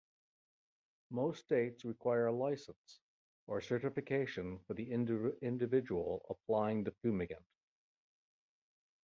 Most states require a license or certification for the individual applying the fumigant.